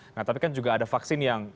nah tapi kan juga ada vaksin yang